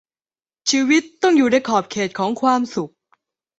ชีวิตจะต้องอยู่ในขอบเขตของความสุข